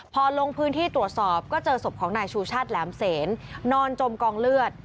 พอลงพื้นที่ตรวจสอบก็เจอศพของนายชูชาติแหลมเสนนอนจมกองเลือด